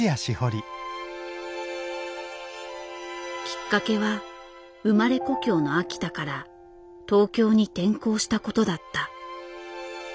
きっかけは生まれ故郷の秋田から東京に転校したことだった。